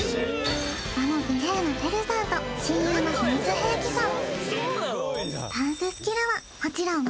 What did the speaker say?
あのＧＬＡＹのＴＥＲＵさんと親友の秘密兵器さん